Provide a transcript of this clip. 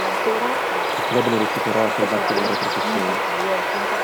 Il club non riuscì però a salvarsi dalla retrocessione.